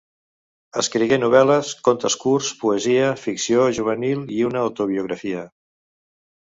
Escrigué novel·les, contes curts, poesia, ficció juvenil i una autobiografia.